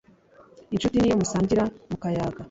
inshuti ni iyo musangira mukayaga